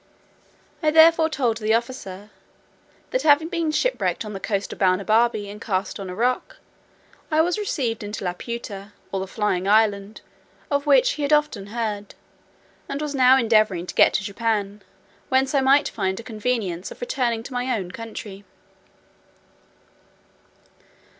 I therefore told the officer, "that having been shipwrecked on the coast of Balnibarbi, and cast on a rock, I was received up into Laputa, or the flying island (of which he had often heard), and was now endeavouring to get to Japan, whence I might find a convenience of returning to my own country."